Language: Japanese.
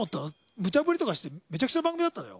ムチャぶりとかしてめちゃくちゃな番組だったよ。